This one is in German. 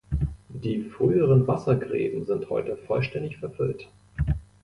Die früheren Wassergräben sind heute vollständig verfüllt.